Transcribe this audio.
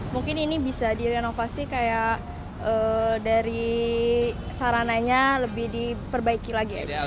mungkin ini bisa direnovasi kayak dari sarananya lebih diperbaikkan